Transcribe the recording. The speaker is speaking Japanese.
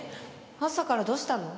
朝からどうしたの？